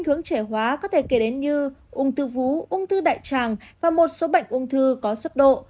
những hướng trẻ hóa có thể kể đến như uống thư vú uống thư đại tràng và một số bệnh uống thư có sức độ